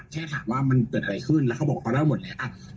เพราะที่คุณถามว่าเคต่อก็ได้หมดแล้ว